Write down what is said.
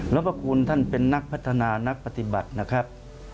แล้วพระคุณท่านเป็นนักพัฒนานักปฏิบัตินะครับ